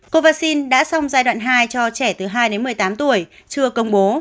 cô vắc xin đã xong giai đoạn hai cho trẻ từ hai đến một mươi tám tuổi chưa công bố